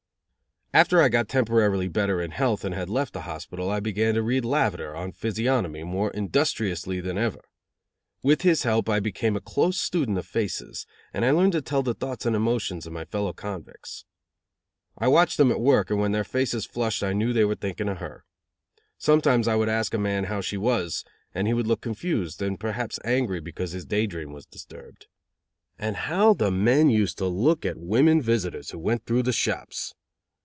After I got temporarily better in health and had left the hospital, I began to read Lavater on physiognomy more industriously than ever. With his help I became a close student of faces, and I learned to tell the thoughts and emotions of my fellow convicts. I watched them at work and when their faces flushed I knew they were thinking of Her. Sometimes I would ask a man how She was, and he would look confused, and perhaps angry because his day dream was disturbed. And how the men used to look at women visitors who went through the shops!